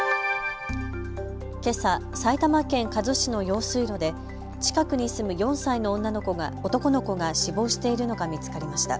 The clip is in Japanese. けさ、埼玉県加須市の用水路で近くに住む４歳の男の子が死亡しているのが見つかりました。